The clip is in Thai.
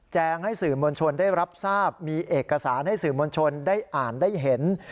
ให้สื่อมวลชนได้รับทราบมีเอกสารให้สื่อมวลชนได้อ่านได้เห็น